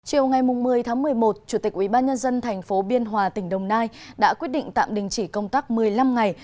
chiều ngày một mươi tháng một mươi một chủ tịch ubnd tp biên hòa tỉnh đồng nai đã quyết định tạm đình chỉ công tác một mươi năm ngày